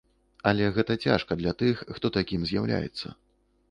Але гэта цяжка для тых, хто такім з'яўляецца.